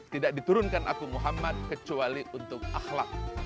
tidak diturunkan aku muhammad kecuali untuk ahlak